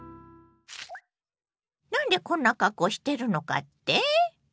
なんでこんな格好してるのかって？